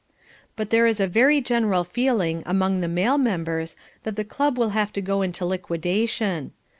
But there is a very general feeling among the male members that the club will have to go into liquidation.